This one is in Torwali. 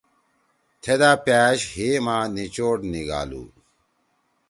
تھیدا پأش ہیے ما نیچوڑ نیِگھالُو۔